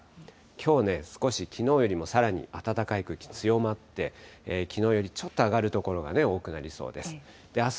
きょうね、少しきのうよりもさらに暖かい空気強まって、きのうよりちょっと上がる所が多くなりそうです。